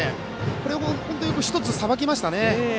これをよく、１つさばきましたね。